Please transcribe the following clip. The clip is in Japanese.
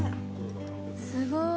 すごい。